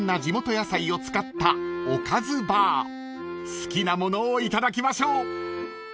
［好きなものをいただきましょう］